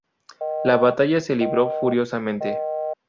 La batalla se libró furiosamente.